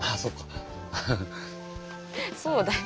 そうだよ。